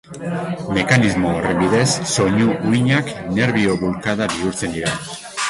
Mekanismo horren bidez, soinu-uhinak nerbio-bulkada bihurtzen dira.